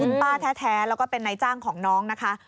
คุณป้าแท้แล้วก็เป็นนายจ้างของน้องนะคะ